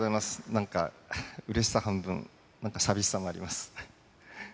なんか、うれしさ半分、なんか寂しさもあります。